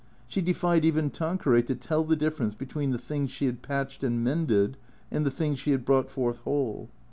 She defied even Tanqueray to tell the difference between the thing she had patched and mended and the thing she had brought forth whole.